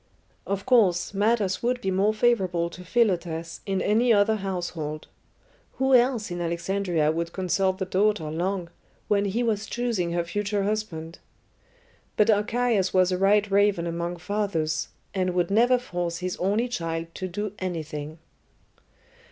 Of course, matters would be more favourable to Philotas in any other household. Who else in Alexandria would consult the daughter long, when he was choosing her future husband? But Archias was a white raven among fathers, and would never force his only child to do anything.